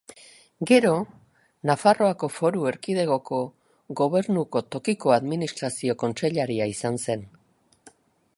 Gero, Nafarroako Foru Erkidegoko Gobernuko Tokiko Administrazio kontseilaria izan zen.